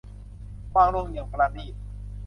วางลงอย่างปราณีต